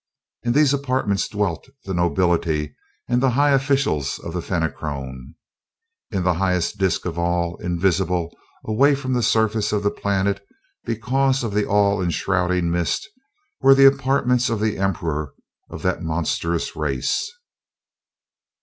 In these apartments dwelt the nobility and the high officials of the Fenachrone. In the highest disk of all, invisible always from the surface of the planet because of the all enshrouding mist, were the apartments of the Emperor of that monstrous race.